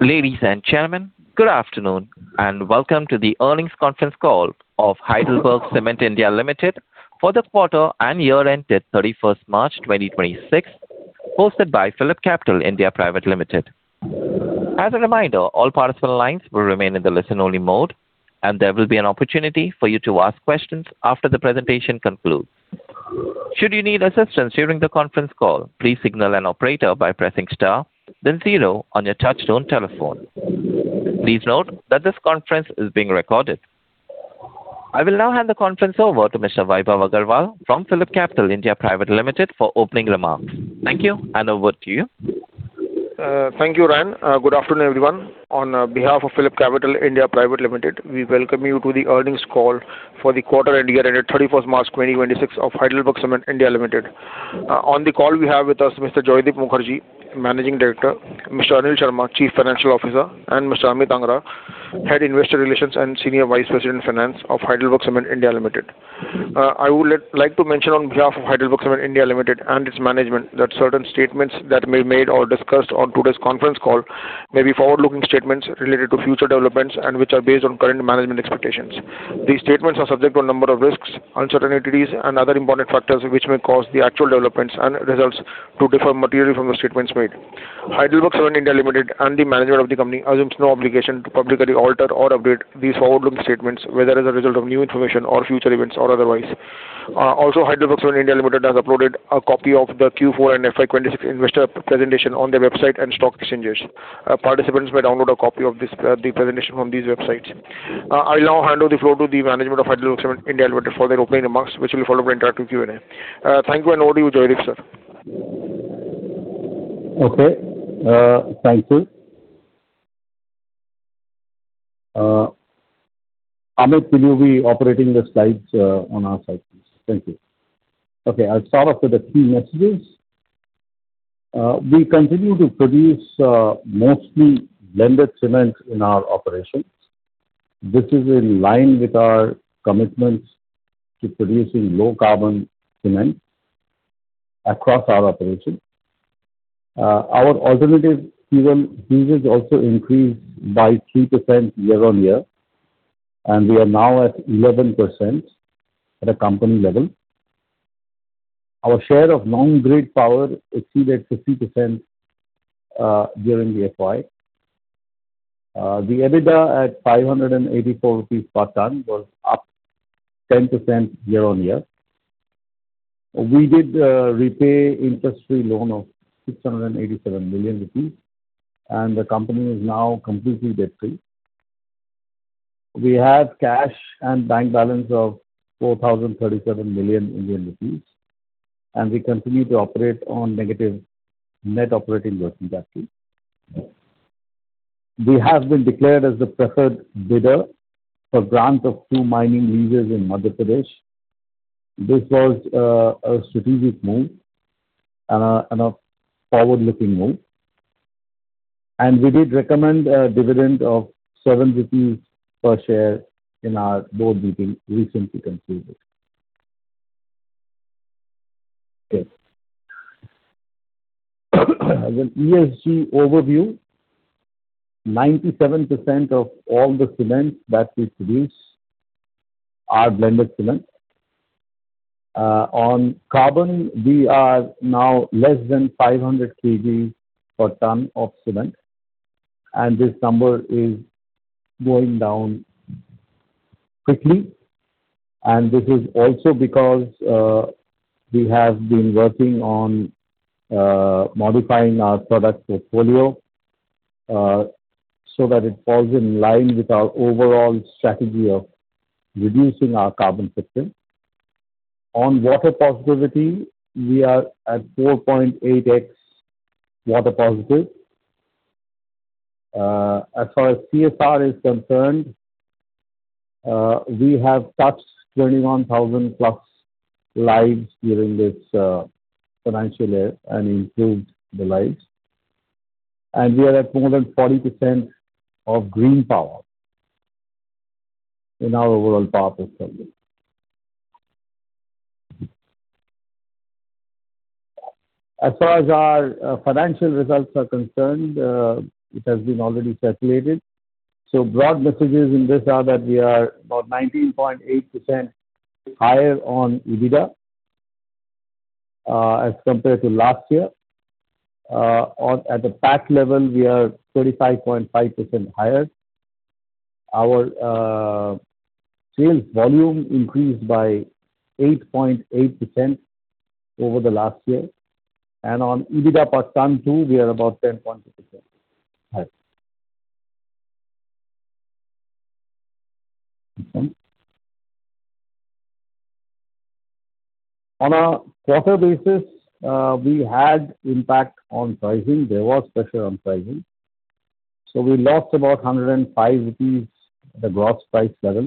Ladies and gentlemen, good afternoon, and welcome to the earnings conference call of HeidelbergCement India Limited for the quarter and year ended 31st March 2026, hosted by PhillipCapital India Private Limited. As a reminder, all participant lines will remain in the listen-only mode, and there will be an opportunity for you to ask questions after the presentation concludes. Should you need assistance during the conference call, please signal an operator by pressing star then zero on your touchtone telephone. Please note that this conference is being recorded. I will now hand the conference over to Mr. Vaibhav Agarwal from PhillipCapital India Private Limited for opening remarks. Thank you, and over to you. Thank you, Ryan. Good afternoon, everyone. On behalf of PhillipCapital India Private Limited, we welcome you to the earnings call for the quarter and year ended 31st March 2026 of HeidelbergCement India Limited. On the call we have with us Mr. Joydeep Mukherjee, Managing Director, Mr. Anil Sharma, Chief Financial Officer, and Mr. Amit Angra, Head Investor Relations and Senior Vice President Finance of HeidelbergCement India Limited. I would like to mention on behalf of HeidelbergCement India Limited and its management that certain statements that may be made or discussed on today's conference call may be forward-looking statements related to future developments and which are based on current management expectations. These statements are subject to a number of risks, uncertainties, and other important factors which may cause the actual developments and results to differ materially from the statements made. HeidelbergCement India Limited and the management of the company assumes no obligation to publicly alter or update these forward-looking statements, whether as a result of new information or future events or otherwise. HeidelbergCement India Limited has uploaded a copy of the Q4 and FY 2026 investor presentation on their website and stock exchanges. Participants may download a copy of the presentation on these websites. I'll now hand over the floor to the management of HeidelbergCement India Limited for their opening remarks, which will be followed by interactive Q&A. Thank you, over to you, Joydeep, sir. Thank you. Amit, will you be operating the slides on our side, please? Thank you. I'll start off with the key messages. We continue to produce mostly blended cement in our operations. This is in line with our commitments to producing low-carbon cement across our operations. Our alternative fuel usage also increased by 3% year-on-year. We are now at 11% at a company level. Our share of non-grid power exceeded 50% during the FY. The EBITDA at 584 rupees per tonne was up 10% year-on-year. We did repay interest-free loan of 687 million rupees. The company is now completely debt-free. We have cash and bank balance of 4,037 million Indian rupees. We continue to operate on negative net operating working capital. We have been declared as the preferred bidder for grant of two mining leases in Madhya Pradesh. This was a strategic move and a forward-looking move. We did recommend a dividend of 7 rupees per share in our board meeting recently concluded. Okay. The ESG overview, 97% of all the cement that we produce are blended cement. On carbon, we are now less than 500 kgs per tonne of cement, and this number is going down quickly. This is also because we have been working on modifying our product portfolio so that it falls in line with our overall strategy of reducing our carbon footprint. On water positivity, we are at 4.8x water positive. As far as CSR is concerned, we have touched 21,000+ lives during this financial year and improved the lives. We are at more than 40% of green power in our overall power portfolio. As far as our financial results are concerned, it has been already circulated. Broad messages in this are that we are about 19.8% higher on EBITDA as compared to last year. At the PAT level, we are 35.5% higher. Our sales volume increased by 8.8% over the last year. On EBITDA per tonne too, we are about 10.2% higher. On a quarter basis, we had impact on pricing. There was pressure on pricing. We lost about 105 rupees at the gross price level,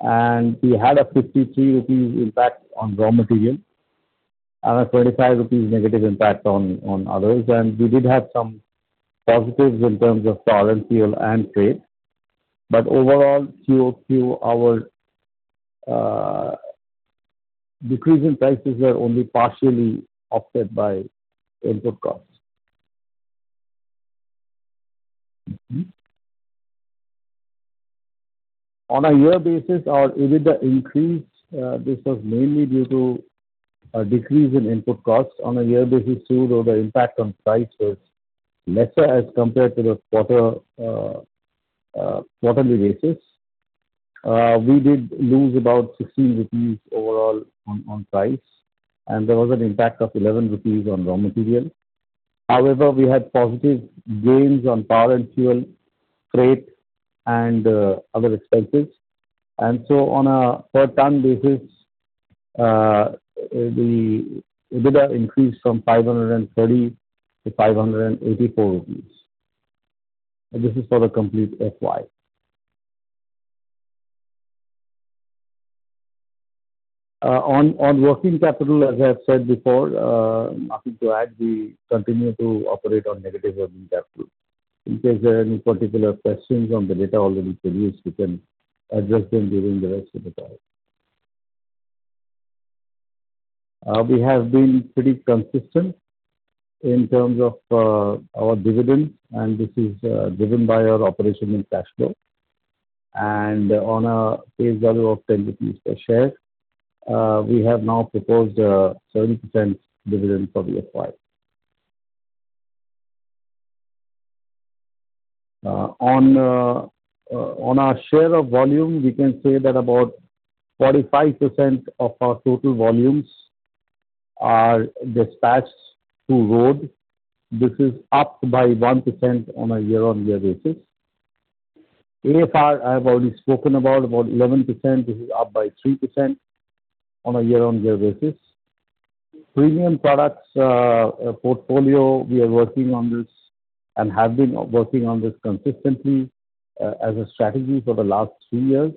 and we had a 53 rupees impact on raw material and a 25 rupees negative impact on others. We did have some positives in terms of coal and fuel and trade. Overall, QOQ our decrease in prices were only partially offset by input costs. On a year basis, our EBITDA increased. This was mainly due to a decrease in input costs on a year basis, so the impact on price was lesser as compared to the quarterly basis. We did lose about 16 rupees overall on price. There was an impact of 11 rupees on raw material. We had positive gains on power and fuel, freight, and other expenses. On a per ton basis, the EBITDA increased from 530-584 rupees. This is for the complete FY. On working capital, as I've said before, nothing to add. We continue to operate on negative working capital. In case there are any particular questions on the data already produced, we can address them during the rest of the call. We have been pretty consistent in terms of our dividend. This is driven by our operational cash flow. On a face value of 10 rupees per share, we have now proposed a 7% dividend for the FY. On our share of volume, we can say that about 45% of our total volumes are dispatched to road. This is up by 1% on a year-on-year basis. AFR, I have already spoken about 11%, this is up by 3% on a year-on-year basis. Premium products portfolio, we are working on this and have been working on this consistently as a strategy for the last three years.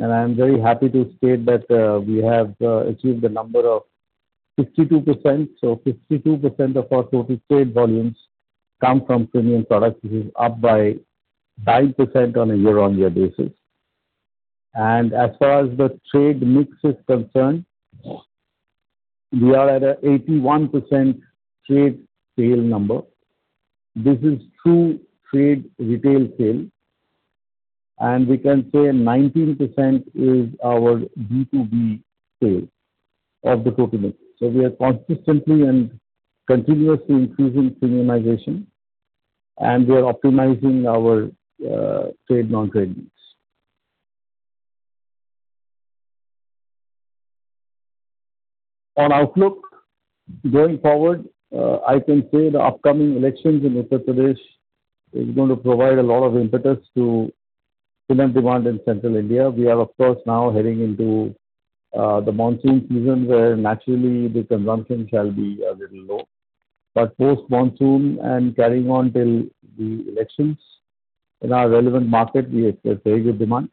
I am very happy to state that we have achieved the number of 62%, 62% of our total trade volumes come from premium products. This is up by 9% on a year-on-year basis. As far as the trade mix is concerned, we are at a 81% trade sale number. This is through trade retail sale, and we can say 19% is our B2B sale of the total mix. We are consistently and continuously increasing premiumization, and we are optimizing our trade non-trade mix. On outlook, going forward, I can say the upcoming elections in Uttar Pradesh is going to provide a lot of impetus to cement demand in central India. We are of course now heading into the monsoon season where naturally the consumption shall be a little low. Post-monsoon and carrying on till the elections in our relevant market, we expect very good demand.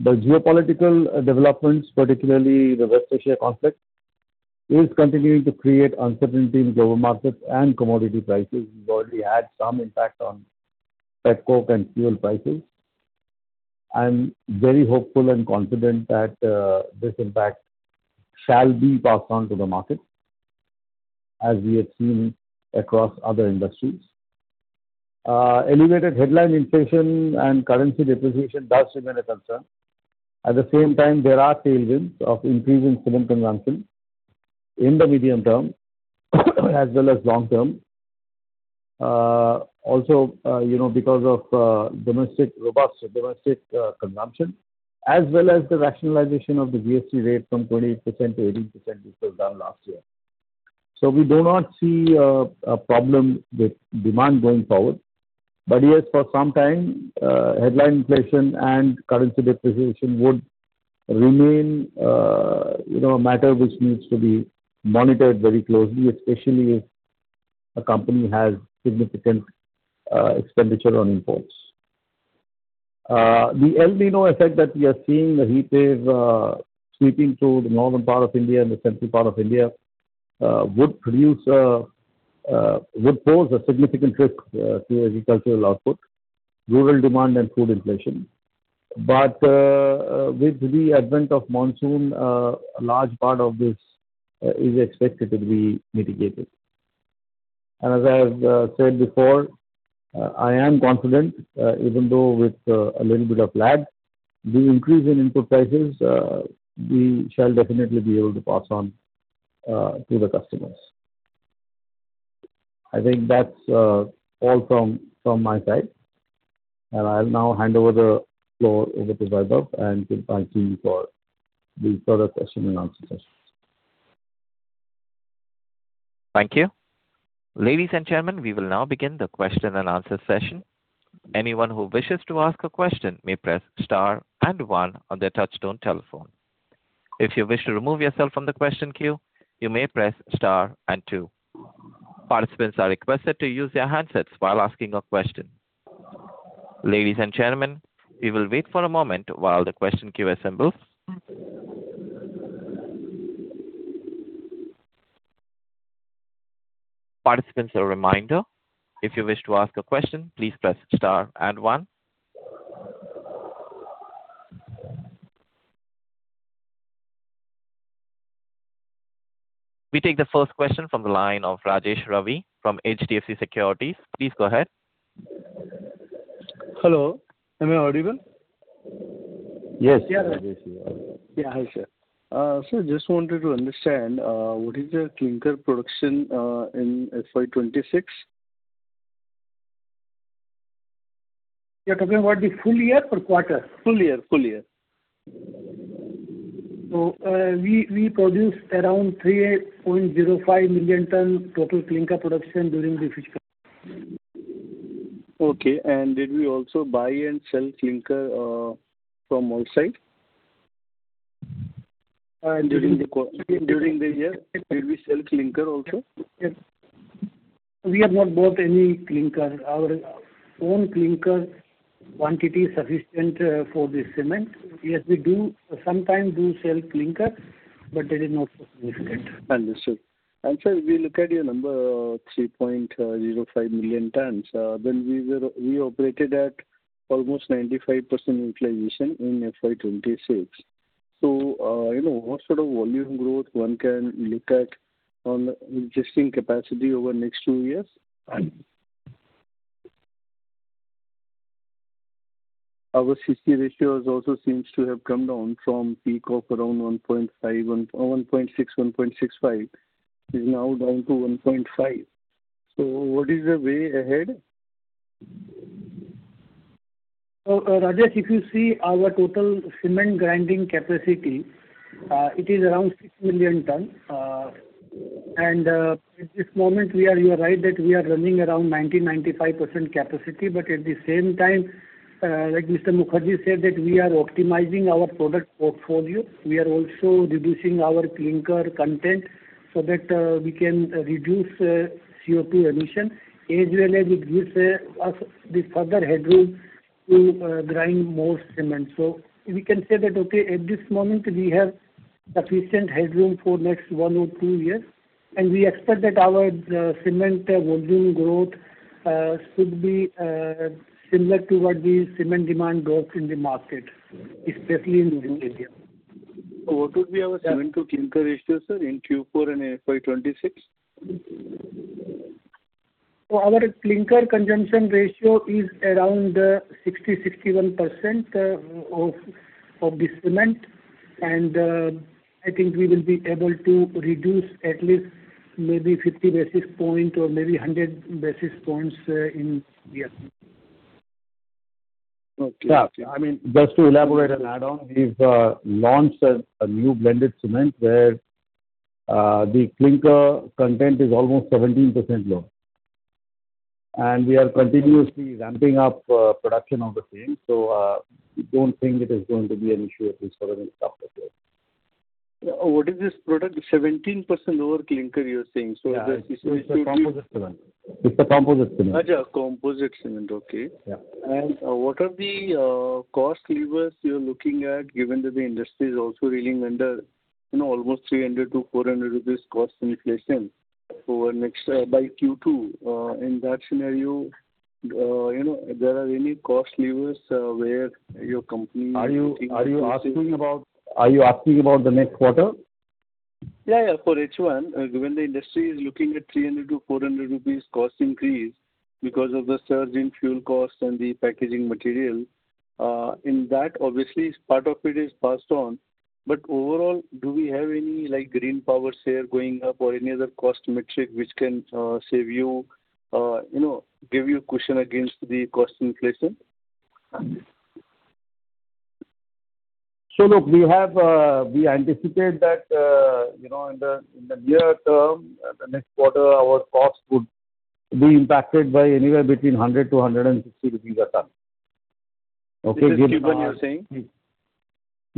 The geopolitical developments, particularly the West Asia conflict, is continuing to create uncertainty in global markets and commodity prices. We've already had some impact on petcoke and fuel prices. I'm very hopeful and confident that this impact shall be passed on to the market as we have seen across other industries. Elevated headline inflation and currency depreciation does remain a concern. At the same time, there are tailwinds of increase in cement consumption in the medium term as well as long term. Because of robust domestic consumption, as well as the rationalization of the GST rate from 28%-18% which was done last year. We do not see a problem with demand going forward. Yes, for some time, headline inflation and currency depreciation would remain a matter which needs to be monitored very closely, especially if a company has significant expenditure on imports. The El Niño effect that we are seeing, the heat wave sweeping through the northern part of India and the central part of India, would pose a significant risk to agricultural output, rural demand, and food inflation. With the advent of monsoon, a large part of this is expected to be mitigated. As I've said before, I am confident, even though with a little bit of lag, the increase in input prices, we shall definitely be able to pass on to the customers. I think that's all from my side. I'll now hand over the floor over to Vaibhav and to my team for the further question and answer session. Thank you. Ladies and gentlemen, we will now begin the question and answer session. Anyone who wishes to ask a question may press star and one on their touchtone telephone. If you wish to remove yourself from the question queue, you may press star and two. Participants are requested to use their handsets while asking a question. Ladies and gentlemen, we will wait for a moment while the question queue assembles. We take the first question from the line of Rajesh Ravi from HDFC Securities. Please go ahead. Hello. Am I audible? Yes. Yeah. Yeah. Hi, sir. Sir, just wanted to understand, what is your clinker production in FY 2026? You're talking about the full year or quarter? Full year. We produce around 3.05 million ton total clinker production during the fiscal. Okay. Did we also buy and sell clinker from outside? During the quarter. During the year, did we sell clinker also? Yes. We have not bought any clinker. Our own clinker quantity is sufficient for the cement. Yes, we sometimes do sell clinker, but that is not so significant. Understood. Sir, if we look at your number, 3.05 million tons, we operated at almost 95% utilization in FY 2026. What sort of volume growth one can look at on the existing capacity over next 2 years? Yes. Our CC ratio also seems to have come down from peak of around 1.6-1.65. It is now down to 1.5. What is the way ahead? Rajesh, if you see our total cement grinding capacity, it is around 6 million tons. At this moment, you are right that we are running around 90%-95% capacity. At the same time, like Mr. Mukherjee said, that we are optimizing our product portfolio. We are also reducing our clinker content so that we can reduce CO2 emission, as well as it gives us the further headroom to grind more cement. We can say that, okay, at this moment, we have sufficient headroom for next one or two years, and we expect that our cement volume growth should be similar to what the cement demand growth in the market, especially in this area. What would be our cement to clinker ratio, sir, in Q4 and FY 2026? Our clinker consumption ratio is around 60%-61% of the cement, and I think we will be able to reduce at least maybe 50 basis points or maybe 100 basis points in the FY. Okay. Yeah. Just to elaborate and add on, we've launched a new blended cement where the clinker content is almost 17% lower, and we are continuously ramping up production on the same. We don't think it is going to be an issue at least for the next couple of years. What is this product? 17% lower clinker you're saying? Yeah. It's a composite cement. Composite cement. Okay. Yeah. What are the cost levers you're looking at, given that the industry is also reeling under almost 300-400 rupees cost inflation by Q2? In that scenario, there are any cost levers where your company. Are you asking about the next quarter? For H1, given the industry is looking at 300-400 rupees cost increase because of the surge in fuel costs and the packaging material. In that, obviously, part of it is passed on. Overall, do we have any green power share going up or any other cost metric which can give you cushion against the cost inflation? Look, we anticipate that in the near term, the next quarter, our cost would be impacted by anywhere between 100 to 160 rupees a ton. This is Q1, you're saying?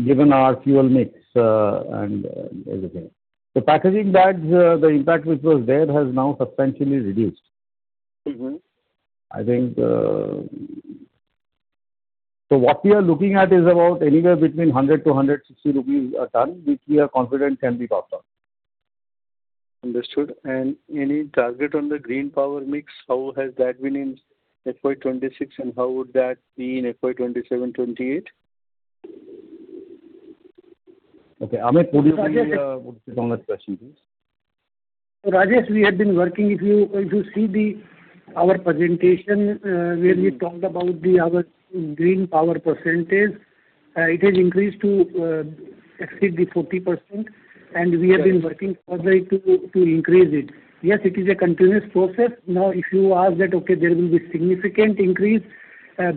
Given our fuel mix and everything. The packaging bags, the impact which was there has now substantially reduced. What we are looking at is about anywhere between 100-160 rupees a ton, which we are confident can be passed on. Understood. Any target on the green power mix, how has that been in FY 2026, and how would that be in FY 2027, 2028? Okay. Amit, could you maybe put together the question, please. Rajesh, we have been working. If you see our presentation where we talked about our green power percentage, it has increased to exceed the 40%, and we have been working further to increase it. Yes, it is a continuous process. If you ask that, okay, there will be significant increase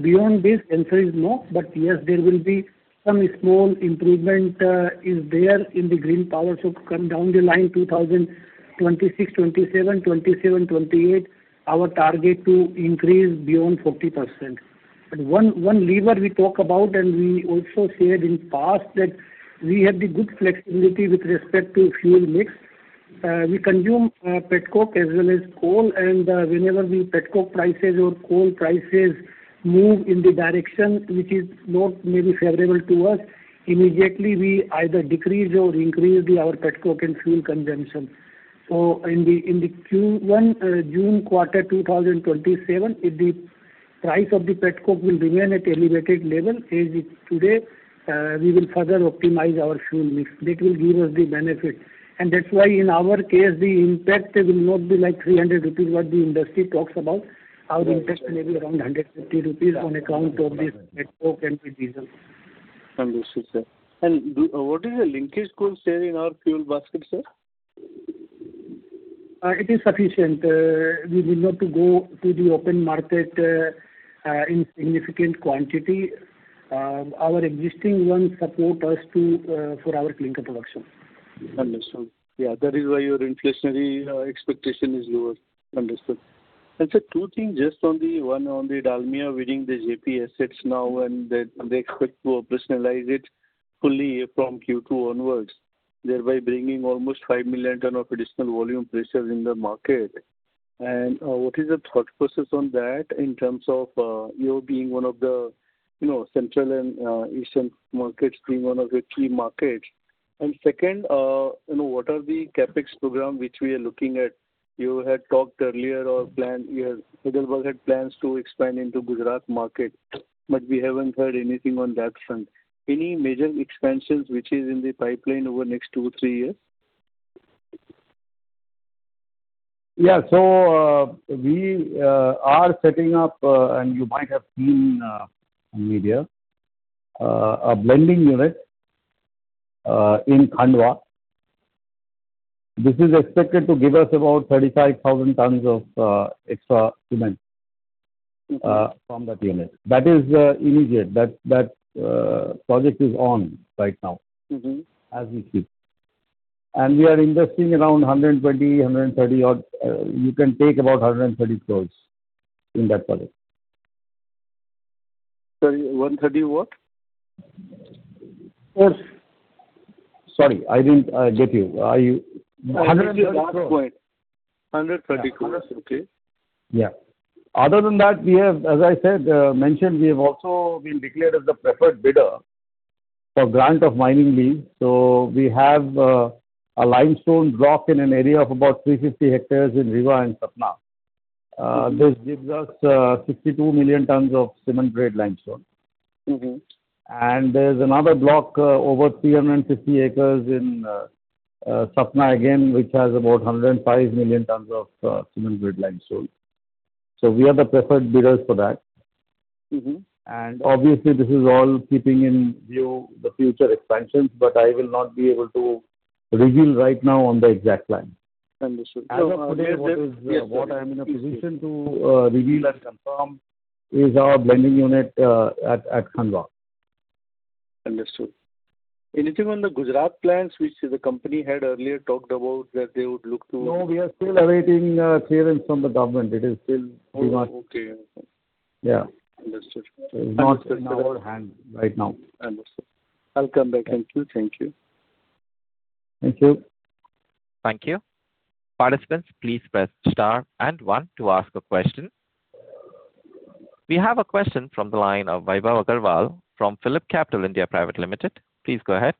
beyond this, answer is no. Yes, there will be some small improvement there in the green power. Come down the line 2026, 2027, 2028, our target to increase beyond 40%. One lever we talk about, and we also said in past, that we have the good flexibility with respect to fuel mix. We consume petcoke as well as coal, and whenever the petcoke prices or coal prices move in the direction which is not maybe favorable to us, immediately we either decrease or increase our petcoke and fuel consumption. In the Q1 June quarter 2027, if the price of the petcoke will remain at elevated level as it today, we will further optimize our fuel mix. That will give us the benefit. That's why in our case, the impact will not be like 300 rupees what the industry talks about. Our impact may be around 150 rupees on account of this petcoke and the diesel. Understood, sir. What is the linkage coal share in our fuel basket, sir? It is sufficient. We need not to go to the open market in significant quantity. Our existing one support us for our clinker production. Understood. Yeah, that is why your inflationary expectation is lower. Understood. Sir, two things, just one on the Dalmia winning the JP assets now, and they expect to operationalize it fully from Q2 onwards, thereby bringing almost 5 million ton of additional volume pressure in the market. What is the thought process on that in terms of you being one of the central and eastern markets, being one of the key markets? Second, what are the CapEx program which we are looking at? You had talked earlier or Heidelberg had plans to expand into Gujarat market, but we haven't heard anything on that front. Any major expansions which is in the pipeline over next two, three years? Yeah. We are setting up, and you might have seen in media, a blending unit in Khandwa. This is expected to give us about 35,000 tons of extra cement from that unit. That is immediate. That project is on right now. As we speak. We are investing around 120-130 or you can take about 130 crores in that project. Sorry, 130 what? Sorry, I didn't get you. 130 crore. 130 crore. 130 crore, okay. Yeah. Other than that, as I said, mentioned, we have also been declared as the preferred bidder for grant of mining lease. We have a limestone block in an area of about 350 hectares in Rewa and Satna. This gives us 62 million tons of cement grade limestone. There's another block, over 350 acres in Satna again, which has about 105 million tons of cement grade limestone. We are the preferred bidders for that. Obviously, this is all keeping in view the future expansions, but I will not be able to reveal right now on the exact plan. Understood. As of today, what I'm in a position to reveal and confirm is our blending unit at Khandwa. Understood. Anything on the Gujarat plans, which the company had earlier talked about that they would look to? No, we are still awaiting clearance from the government. Oh, okay. Yeah. Understood. It is not in our hand right now. Understood. I'll come back. Thank you. Thank you. Thank you. Participants, please press star and one to ask a question. We have a question from the line of Vaibhav Agarwal from PhillipCapital India Private Limited. Please go ahead.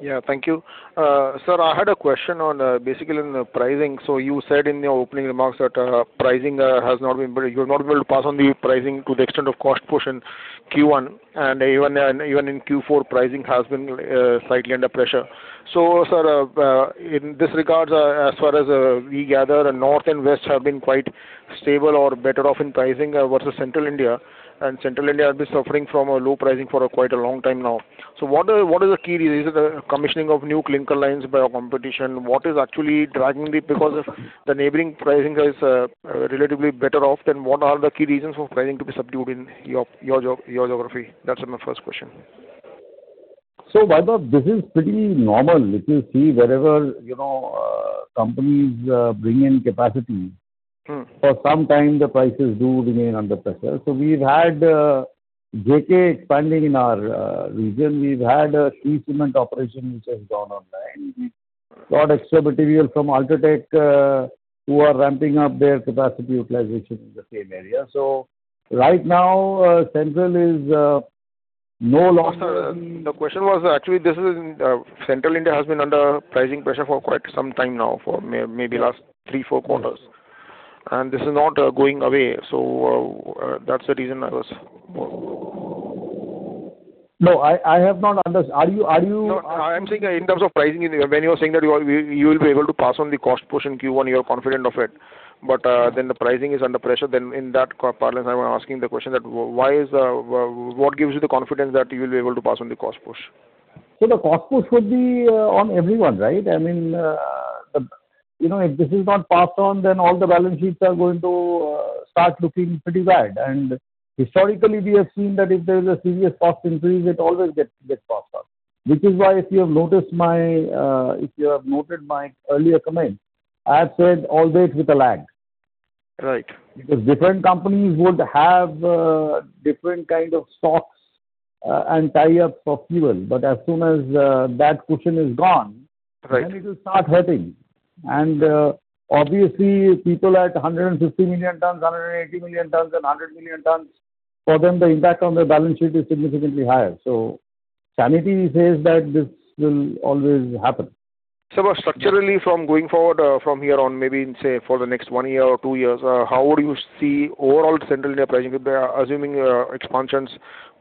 Yeah, thank you. Sir, I had a question on basically on the pricing. You said in your opening remarks that you're not able to pass on the pricing to the extent of cost push in Q1, and even in Q4, pricing has been slightly under pressure. Sir, in this regard, as far as we gather, North and West have been quite stable or better off in pricing versus Central India, and Central India has been suffering from a low pricing for quite a long time now. What is the key reason? Is it the commissioning of new clinker lines by our competition? What is actually dragging it because if the neighboring pricing is relatively better off, then what are the key reasons for pricing to be subdued in your geography? That's my first question. Vaibhav, this is pretty normal. You see wherever companies bring in capacity- for some time, the prices do remain under pressure. We've had JK expanding in our region. We've had a Zuari Cement operation which has gone online. We've got extra material from UltraTech, who are ramping up their capacity utilization in the same area. Right now, Central is no longer- The question was, actually Central India has been under pricing pressure for quite some time now, for maybe last three, four quarters, and this is not going away. That's the reason I was. No, I have not understood. No, I'm saying in terms of pricing, when you were saying that you will be able to pass on the cost push in Q1, you're confident of it. The pricing is under pressure, then in that parlance, I'm asking the question that what gives you the confidence that you will be able to pass on the cost push? The cost push would be on everyone, right? If this is not passed on, then all the balance sheets are going to start looking pretty bad. Historically, we have seen that if there is a serious cost increase, it always gets passed on. Which is why if you have noted my earlier comment, I have said albeit with a lag. Right. Different companies would have different kind of stocks and tie-ups of fuel. As soon as that cushion is gone. Right It will start hurting. Obviously, people at 150 million tons, 180 million tons and 100 million tons, for them, the impact on their balance sheet is significantly higher. Sanity says that this will always happen. Sir, structurally from going forward from here on, maybe say for the next one year or two years, how would you see overall Central India pricing assuming expansions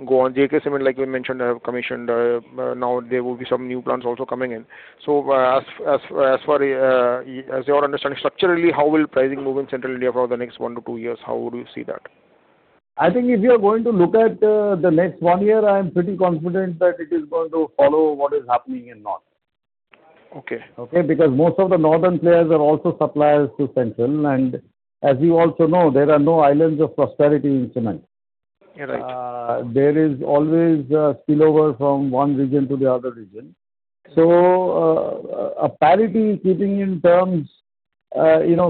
go on? JK Cement, like we mentioned, have commissioned. There will be some new plants also coming in. As your understanding, structurally, how will pricing move in Central India for the next one to two years? How would you see that? I think if you're going to look at the next one year, I am pretty confident that it is going to follow what is happening in north. Okay. Okay. Because most of the northern players are also suppliers to Central. As you also know, there are no islands of prosperity in cement. You're right. There is always a spillover from one region to the other region. A parity keeping in terms,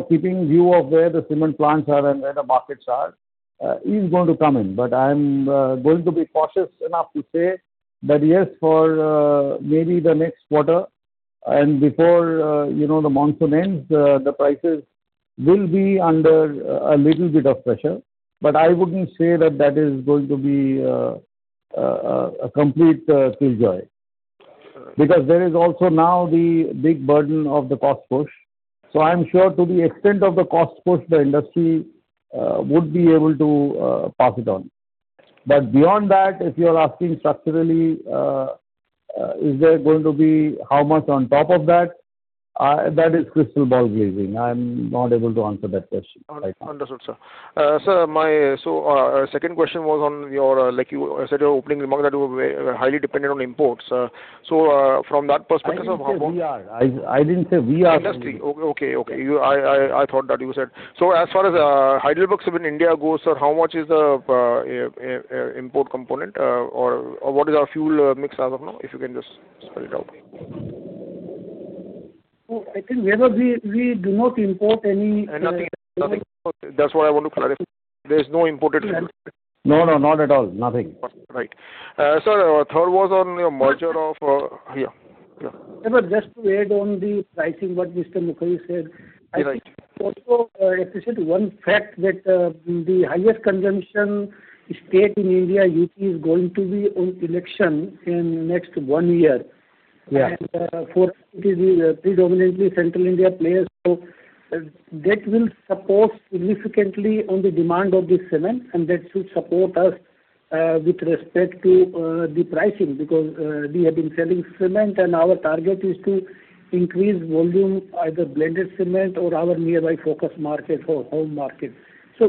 keeping view of where the cement plants are and where the markets are, is going to come in. I'm going to be cautious enough to say that, yes, for maybe the next quarter and before the monsoon ends, the prices will be under a little bit of pressure. I wouldn't say that is going to be a complete killjoy because there is also now the big burden of the cost push. I'm sure to the extent of the cost push, the industry would be able to pass it on. Beyond that, if you're asking structurally, is there going to be how much on top of that is crystal ball gazing. I'm not able to answer that question right now. Understood, sir. Sir, second question was on your, like you said your opening remark that you were highly dependent on imports. From that perspective. I didn't say we are. I didn't say we are dependent. Industry. Okay. I thought that you said. As far as HeidelbergCement India goes, sir, how much is the import component or what is our fuel mix as of now, if you can just spell it out? I think, Vaibhav, we do not import. Nothing imported. That's what I want to clarify. There's no imported fuel. No, not at all. Nothing. Right. Sir, third was on your merger of Yeah. Vaibhav, just to add on the pricing what Mr. Joydeep Mukherjee said. Right. I think also appreciate one fact that the highest consumption state in India, UP, is going to be on election in next one year. Yeah. For it is predominantly Central India players. That will support significantly on the demand of the cement and that should support us with respect to the pricing because we have been selling cement and our target is to increase volume, either blended cement or our nearby focus market or home market.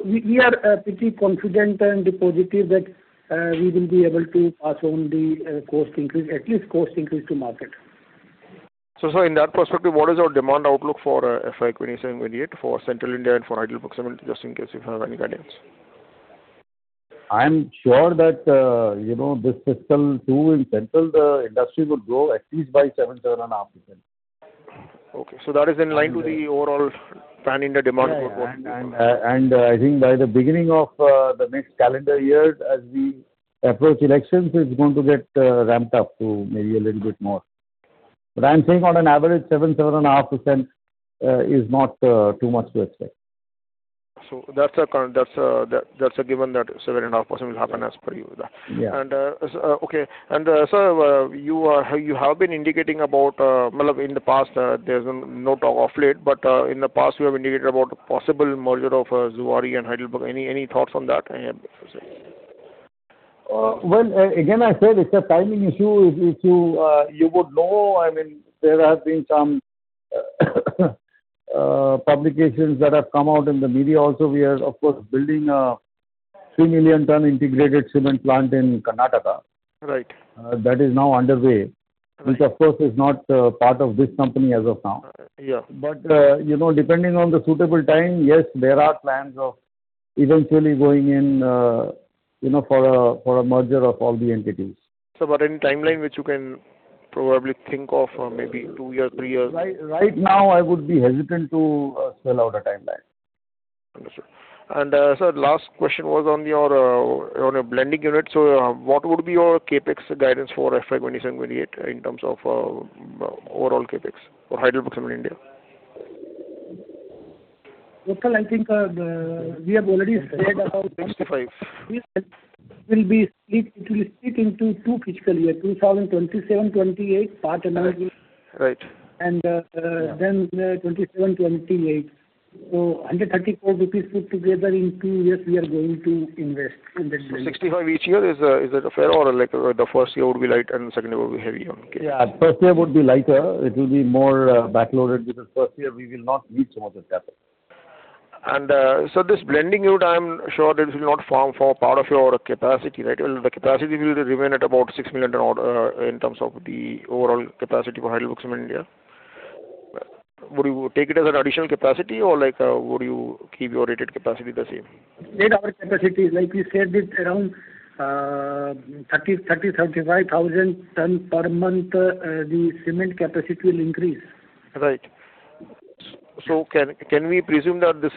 We are pretty confident and positive that we will be able to pass on the cost increase, at least cost increase to market. In that perspective, what is your demand outlook for FY 2027, FY 2028 for Central India and for HeidelbergCement, just in case if you have any guidance? I'm sure that this fiscal too in Central, the industry would grow at least by 7%-7.5%. Okay. That is in line to the overall pan-India demand growth. Yeah. I think by the beginning of the next calendar year, as we approach elections, it's going to get ramped up to maybe a little bit more. I'm saying on an average, seven, 7.5% is not too much to expect. That's a given that 7.5% will happen as per you. Yeah. Okay. Sir, you have been indicating about, in the past, there is no talk off late, but in the past, you have indicated about possible merger of Zuari and Heidelberg. Any thoughts on that? Well, again, I said it's a timing issue. If you would know, there have been some publications that have come out in the media also. We are of course building a 3 million ton integrated cement plant in Karnataka. Right. That is now underway. Right. Which of course is not part of this company as of now. Yeah. Depending on the suitable time, yes, there are plans of eventually going in for a merger of all the entities. Sir, any timeline which you can probably think of, maybe two years, three years? Right now, I would be hesitant to spell out a timeline. Understood. Sir, last question was on your blending unit. What would be your CapEx guidance for FY 2027, FY 2028 in terms of overall CapEx for HeidelbergCement India? Vaibhav, I think we have already said. 65. It will split into two fiscal year 2027-2028 part energy. Right. Then 2027-2028. 134 crore rupees put together in two years we are going to invest in that blending. 65 each year, is that fair or the first year would be light and second year would be heavier? Okay. Yeah. First year would be lighter. It will be more backloaded because first year we will not need some of the capital. This blending unit, I'm sure that it will not form for part of your capacity, right? The capacity will remain at about 6 million in terms of the overall capacity for HeidelbergCement India. Would you take it as an additional capacity or would you keep your rated capacity the same? Rated our capacity, like we said it around 30,000-35,000 ton per month, the cement capacity will increase. Right. Can we presume that this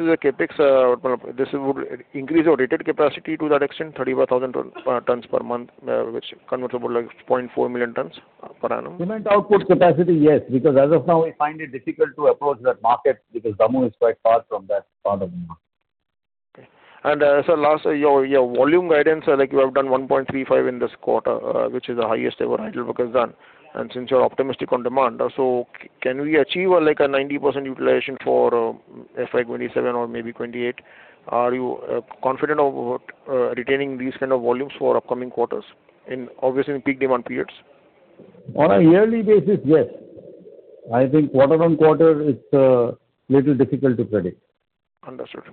would increase your rated capacity to that extent, 35,000 tons per month, which converts about 0.4 million tons per annum? Cement output capacity, yes. As of now, we find it difficult to approach that market because Damoh is quite far from that part of the market. Okay. Sir, last, your volume guidance, you have done 1.35 in this quarter, which is the highest ever Heidelberg has done. Since you're optimistic on demand, can we achieve a 90% utilization for FY 2027 or maybe FY 2028? Are you confident of retaining these kind of volumes for upcoming quarters, obviously in peak demand periods? On a yearly basis, yes. I think quarter on quarter it's a little difficult to predict. Understood.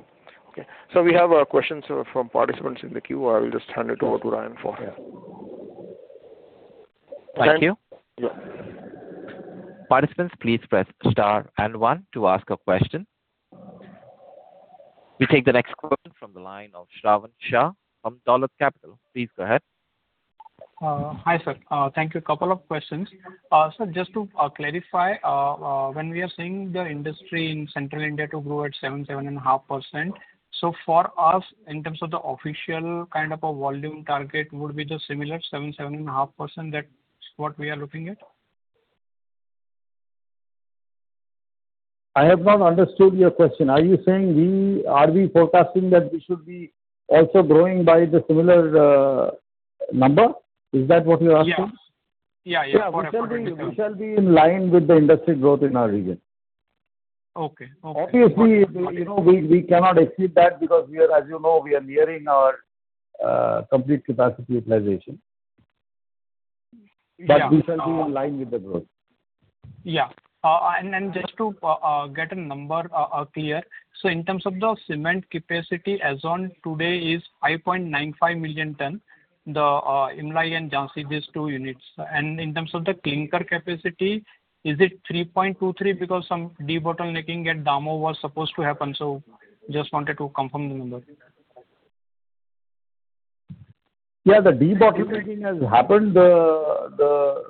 Okay. We have questions from participants in the queue. I will just hand it over to Ryan for that. Thank you. Yeah. Participants, please press star and one to ask a question. We take the next question from the line of Shravan Shah from Dolat Capital. Please go ahead. Hi, sir. Thank you. Couple of questions. Sir, just to clarify, when we are seeing the industry in Central India to grow at 7%-7.5%, for us, in terms of the official volume target, would it be the similar 7%-7.5%? That's what we are looking at? I have not understood your question. Are you saying are we forecasting that we should be also growing by the similar number? Is that what you're asking? Yes. We shall be in line with the industry growth in our region. Okay. Obviously, we cannot exceed that because, as you know, we are nearing our complete capacity utilization. Yeah. We shall be in line with the growth. Yeah. Just to get a number clear, in terms of the cement capacity as on today is 5.95 million tons, the Imlai and Jhansi, these two units. In terms of the clinker capacity, is it 3.23 because some debottlenecking at Damoh was supposed to happen? Just wanted to confirm the number. Yeah, the debottlenecking has happened. The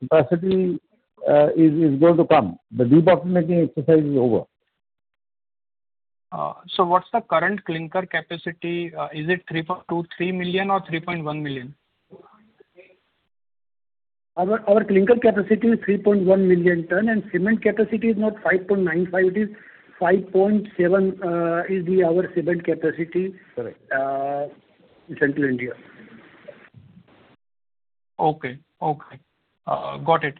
capacity is going to come. The debottlenecking exercise is over. What's the current clinker capacity? Is it 3.23 million or 3.1 million? Our clinker capacity is 3.1 million ton and cement capacity is not 5.95, it is 5.7. Correct. In Central India. Okay. Got it.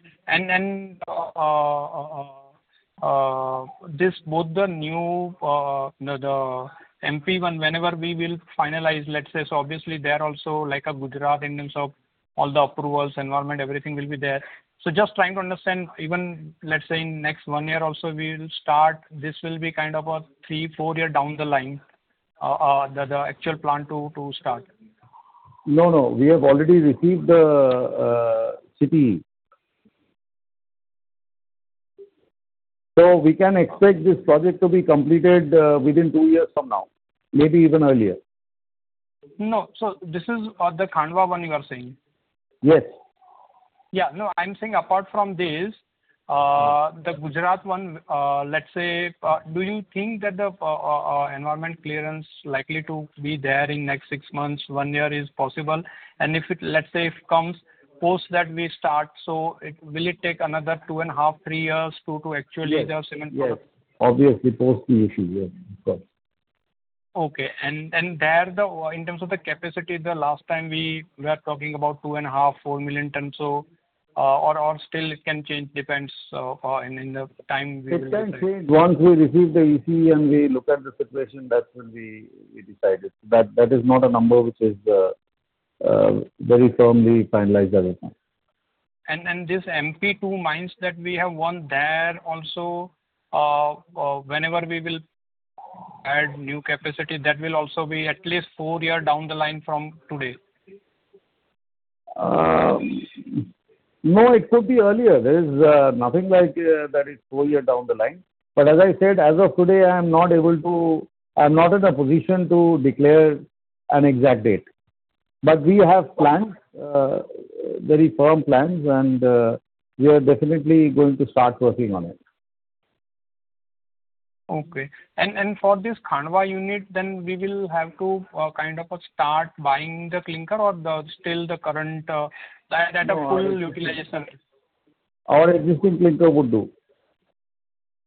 This both the new, the MP one, whenever we will finalize, let’s say, obviously there also like a Gujarat in terms of all the approvals, environment, everything will be there. Just trying to understand even, let’s say, in next one year also, we’ll start, this will be kind of a three, four year down the line, the actual plant to start. No. We have already received the CPE. We can expect this project to be completed within 2 years from now, maybe even earlier. No. This is the Khandwa one you are saying? Yes. Yeah. No, I'm saying apart from this, the Gujarat one, let's say, do you think that the environment clearance likely to be there in next six months, one year is possible? Let's say if it comes, post that we start, so will it take another two and a half, three years to actually have cement? Yes. Obviously post the issue, yes, of course. Okay. There, in terms of the capacity, the last time we were talking about 2.5, four million tons or still it can change, depends in the time we will- It can change once we receive the EC and we look at the situation, that will be decided. That is not a number which is very firmly finalized at this point. This MP two mines that we have won there also, whenever we will add new capacity, that will also be at least four year down the line from today? It could be earlier. There is nothing like that it's four year down the line. As I said, as of today, I'm not in a position to declare an exact date. We have plans, very firm plans, and we are definitely going to start working on it. Okay. For this Khandwa unit then we will have to start buying the clinker or still the current at a full utilization? Our existing clinker would do.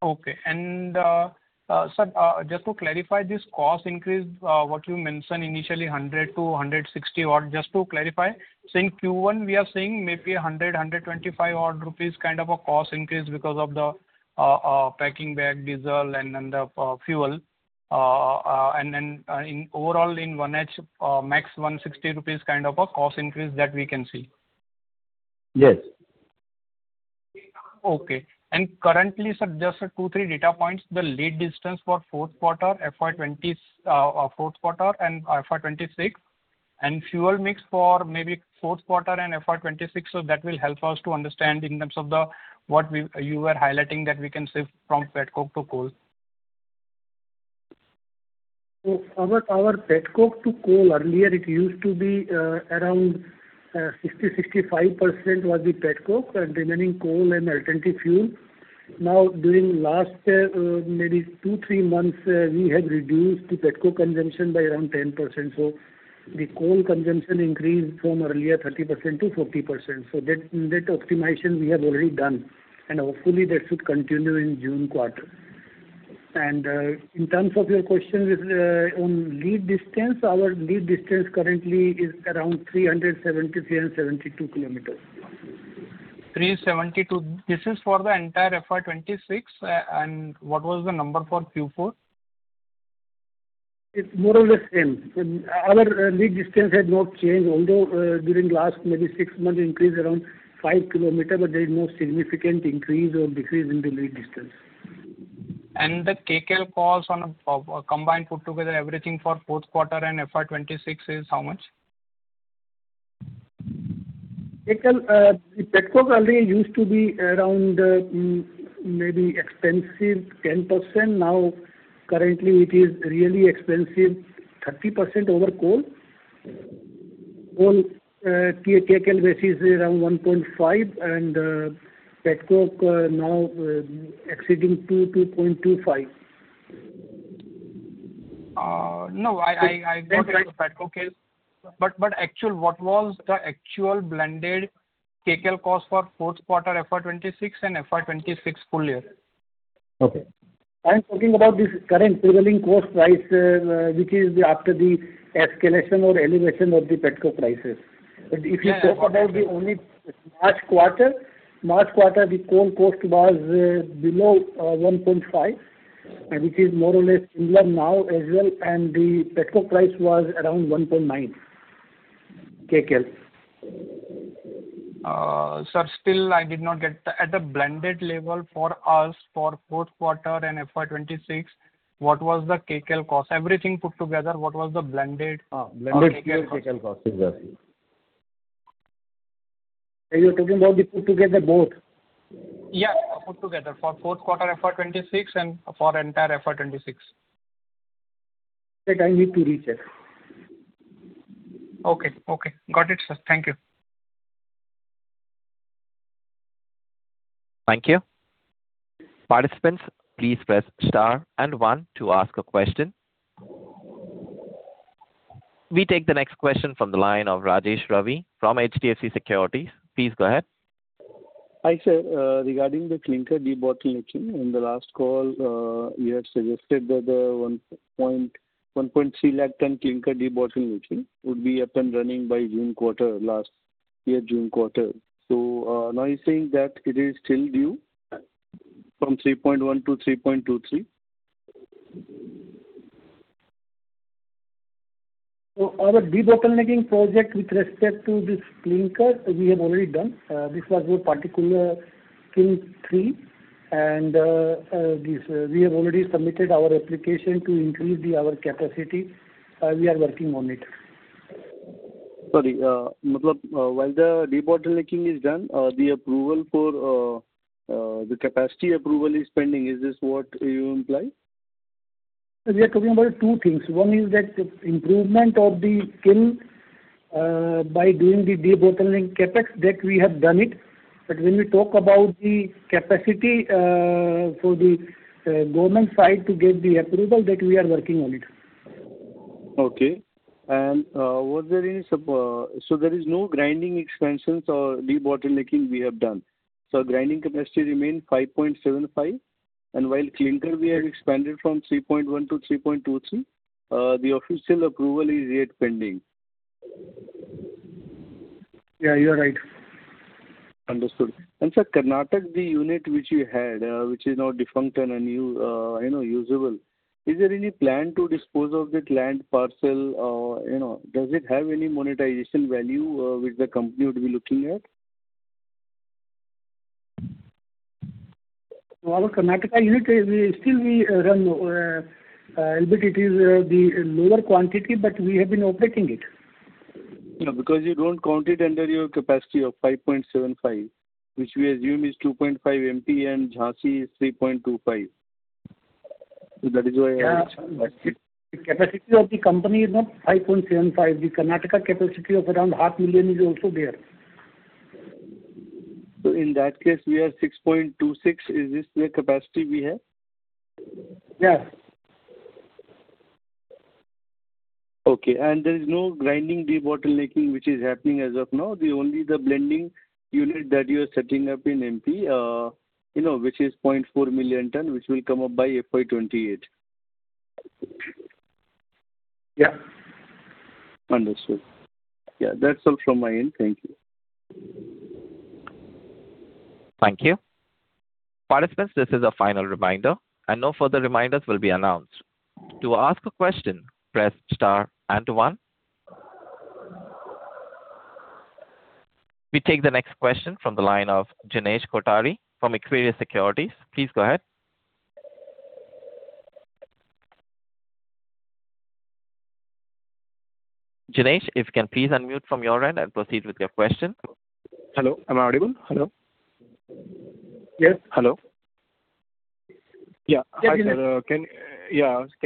Okay. Sir, just to clarify this cost increase, what you mentioned initially, 100-160 odd, just to clarify, say in Q1, we are seeing maybe 100-125 rupees odd kind of a cost increase because of the packing bag, diesel and the fuel. Overall in 1H, max 160 rupees kind of a cost increase that we can see. Yes. Okay. Currently, sir, just two, three data points, the lead distance for fourth quarter and FY 2026, and fuel mix for maybe fourth quarter and FY 2026. That will help us to understand in terms of what you were highlighting that we can save from petcoke to coal. Our petcoke to coal earlier, it used to be around 60%-65% was the petcoke and remaining coal and alternative fuel. Now during last maybe two, three months, we have reduced the petcoke consumption by around 10%. The coal consumption increased from earlier 30%-40%. That optimization we have already done and hopefully that should continue in June quarter. In terms of your question on lead distance, our lead distance currently is around 373 and 372 km. This is for the entire FY 2026. What was the number for Q4? It's more or less the same. Our lead distance has not changed, although during the last maybe 6 months increased around 5 km, but there is no significant increase or decrease in the lead distance. The kcal cost on a combined put together everything for fourth quarter and FY 2026 is how much? KKL petcoke already used to be around maybe expensive 10%. Now, currently it is really expensive, 30% over coal. Coal KKL basis is around 1.5 and petcoke now exceeding two, 2.25. No, I got that petcoke is. What was the actual blended kcal cost for fourth quarter FY 2026 and FY 2026 full year? Okay. I'm talking about this current prevailing cost price, which is after the escalation or elevation of the petcoke prices. If you talk about only March quarter, the coal cost was below 1.5, which is more or less similar now as well, and the petcoke price was around 1.9 kcal. Sir, still I did not get. At the blended level for us for fourth quarter and FY 2026, what was the kcal cost? Everything put together, what was the blended kcal cost? Blended kcal cost. You're talking about the put together both? Yeah, put together for fourth quarter FY 2026 and for entire FY 2026. I need to recheck. Okay. Got it, sir. Thank you. Thank you. We take the next question from the line of Rajesh Ravi from HDFC Securities. Please go ahead. Hi, sir. Regarding the clinker debottlenecking, in the last call, you had suggested that the 1.3 lakh ton clinker debottlenecking would be up and running by June quarter, last year June quarter. Now you're saying that it is still due from 3.1-3.23? Our debottlenecking project with respect to this clinker, we have already done. This was a particular kiln three, and we have already submitted our application to increase our capacity. We are working on it. Sorry. While the debottlenecking is done, the capacity approval is pending. Is this what you imply? We are talking about two things. One is that improvement of the kiln by doing the debottlenecking CapEx, that we have done it. When we talk about the capacity for the government side to get the approval, that we are working on it. Okay. There is no grinding expansions or debottlenecking we have done. Grinding capacity remains 5.75 and while clinker we have expanded from 3.1-3.23, the official approval is yet pending. Yeah, you are right. Understood. Sir, Karnataka, the unit which you had, which is now defunct and unusable, is there any plan to dispose of that land parcel? Does it have any monetization value which the company would be looking at? Our Karnataka unit, still we run, albeit it is the lower quantity, but we have been operating it. You don't count it under your capacity of 5.75, which we assume is 2.5 MP and Jhansi is 3.25. That is why I asked. Yeah. The capacity of the company is not 5.75. The Karnataka capacity of around half million is also there. In that case, we are 6.26. Is this the capacity we have? Yeah. Okay. There is no grinding debottlenecking which is happening as of now. Only the blending unit that you're setting up in MP, which is 0.4 million ton, which will come up by FY 2028. Yeah. Understood. Yeah, that's all from my end. Thank you. Thank you. We take the next question from the line of Jinesh Kothari from Equirus Securities. Please go ahead. Jinesh, if you can please unmute from your end and proceed with your question. Hello, am I audible? Hello. Yes. Hello. Yeah. Hi, sir. Can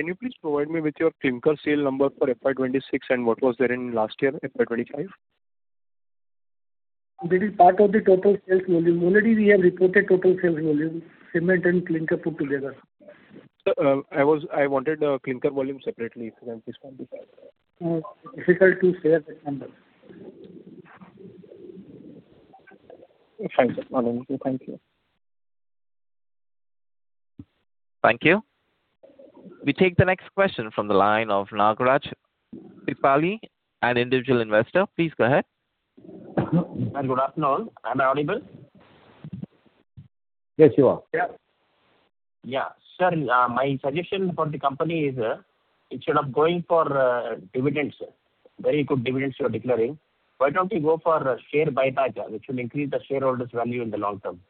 you please provide me with your clinker sale number for FY 2026 and what was there in last year, FY 2025? That is part of the total sales volume. Already we have reported total sales volume, cement and clinker put together. Sir, I wanted the clinker volume separately, if I may please have it. It's difficult to share that number. Thank you. Thank you. We take the next question from the line of Nagaraj Tripali, an individual investor. Please go ahead. Good afternoon. Am I audible? Yes, you are. Yeah. Sir, my suggestion for the company is, instead of going for dividends, very good dividends you are declaring, why don't you go for a share buyback, which will increase the shareholders' value in the long term?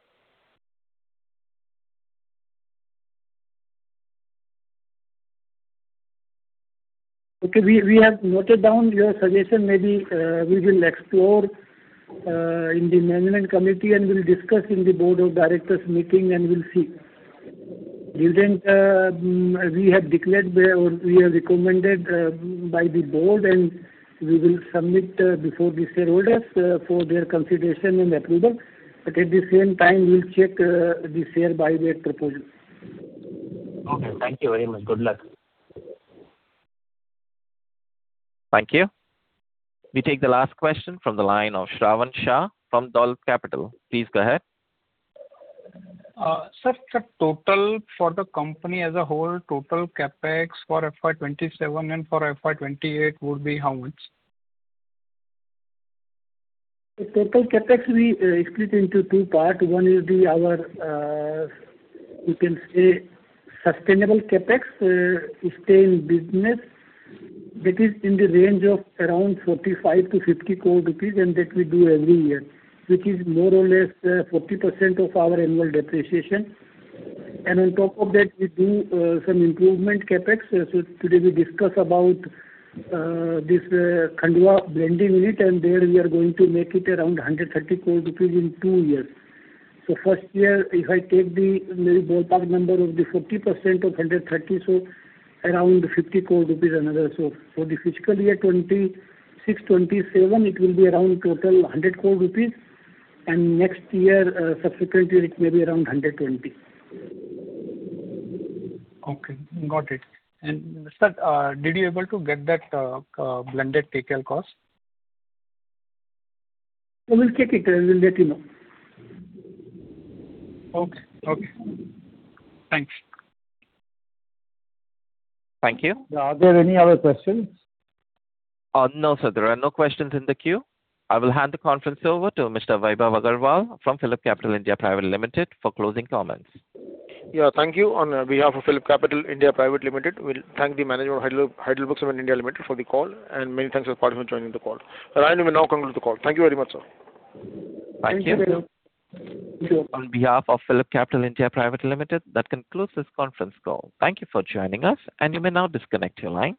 Okay. We have noted down your suggestion. Maybe we will explore in the management committee and we'll discuss in the board of directors meeting, and we'll see. We have declared or we have recommended by the board, and we will submit before the shareholders for their consideration and approval. At the same time, we'll check the share buyback proposal. Okay. Thank you very much. Good luck. Thank you. We take the last question from the line of Shravan Shah from Dolat Capital. Please go ahead. Sir, total for the company as a whole, total CapEx for FY 2027 and for FY 2028 would be how much? Total CapEx we split into two parts. One is our sustainable CapEx to stay in business. That is in the range of around 45-50 crore rupees, and that we do every year. Which is more or less 40% of our annual depreciation. On top of that, we do some improvement CapEx. Today we discuss about this Khandwa blending unit, and there we are going to make it around 130 crore rupees in two years. First year, if I take the maybe ballpark number would be 40% of 130, around INR 50 crore. For the fiscal year 2026, 2027, it will be around total INR 100 crore. Next year, subsequent year, it may be around INR 120. Okay, got it. Sir, did you able to get that blended kcal cost? We will check it and we'll let you know. Okay. Thanks. Thank you. Are there any other questions? No, sir. There are no questions in the queue. I will hand the conference over to Mr. Vaibhav Agarwal from PhillipCapital India Private Limited for closing comments. Yeah. Thank you. On behalf of PhillipCapital India Private Limited, we thank the management of HeidelbergCement India Limited for the call and many thanks to all participants joining the call. I will now conclude the call. Thank you very much, sir. Thank you. Thank you. On behalf of PhillipCapital India Private Limited, that concludes this conference call. Thank you for joining us. You may now disconnect your line.